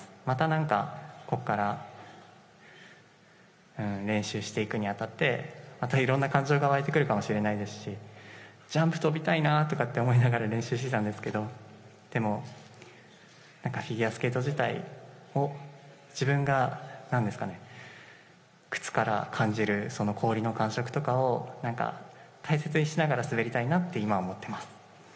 またなんか、ここから練習していくにあたって、またいろんな感情が湧いてくるかもしれないですし、ジャンプ跳びたいなとかって思いながら、練習してたんですけど、でも、なんかフィギュアスケート自体を自分が、なんですかね、靴から感じる、その氷の感触とかを、なんか大切にしながら滑りたいなって、今は思ってます。